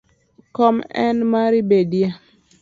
Kom en mari bedie